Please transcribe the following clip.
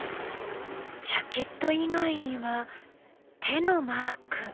ジャケット以外には手のマーク。